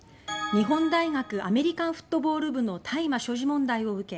日本大学アメリカンフットボール部の大麻所持問題を受け